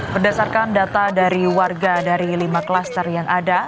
berdasarkan data dari warga dari lima klaster yang ada